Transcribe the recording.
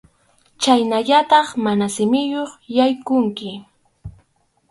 Chhaynallataq mana simiyuq yaykunki.